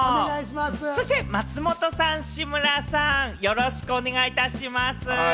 そして松本さん、志村さん、よろしくお願いいたします。